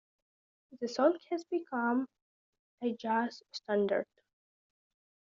The song has become a jazz standard.